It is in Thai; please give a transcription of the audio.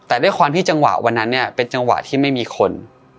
แต่ด้วยความที่จังหวะวันนั้นเนี่ยเป็นจังหวะที่ไม่มีคน